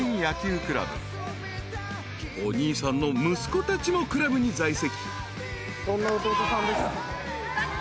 ［お兄さんの息子たちもクラブに在籍］